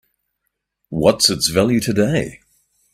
What's its value today?